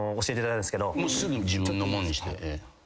すぐ自分のものにして。